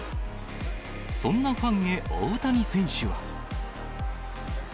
そんなファンへ、大谷選手は。